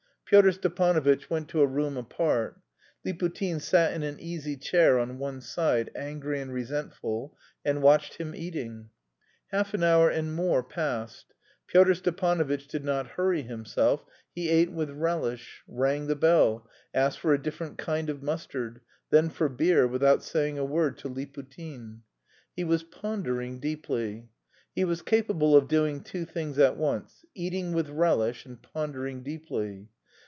Pyotr Stepanovitch went to a room apart. Liputin sat in an easy chair on one side, angry and resentful, and watched him eating. Half an hour and more passed. Pyotr Stepanovitch did not hurry himself; he ate with relish, rang the bell, asked for a different kind of mustard, then for beer, without saying a word to Liputin. He was pondering deeply. He was capable of doing two things at once eating with relish and pondering deeply.